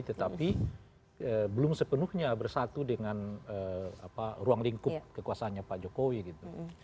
tetapi belum sepenuhnya bersatu dengan ruang lingkup kekuasaannya pak jokowi gitu